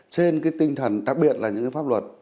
trên tinh thần đặc biệt là những pháp luật